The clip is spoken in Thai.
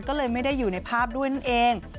ก็เลยไม่ได้อยู่ในภาพด้วยนั่นเอง